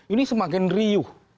ini semakin riuh